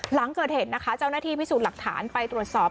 หลังเกิดเหตุนะคะเจ้าหน้าที่พิสูจน์หลักฐานไปตรวจสอบ